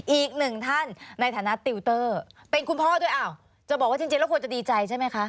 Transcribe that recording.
อีกหนึ่งท่านในฐานะติวเตอร์เป็นคุณพ่อด้วยอ้าวจะบอกว่าจริงแล้วควรจะดีใจใช่ไหมคะ